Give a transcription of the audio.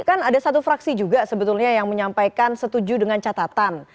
kan ada satu fraksi juga sebetulnya yang menyampaikan setuju dengan catatan